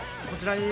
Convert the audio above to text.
こちら。